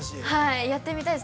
◆はい、やってみたいです。